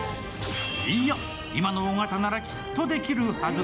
いいや、今の尾形ならきっとできるはず。